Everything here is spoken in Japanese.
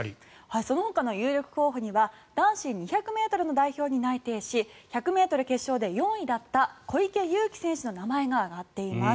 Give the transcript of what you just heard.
そのほかの有力候補には２００ｍ決勝で代表に内定し１００ｍ決勝で４位だった小池祐貴選手の名前が挙がっています。